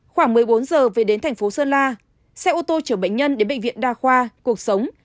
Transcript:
khoảng một mươi bốn giờ về đến thành phố sơn la xe ô tô chở bệnh nhân đến bệnh viện đa khoa cuộc sống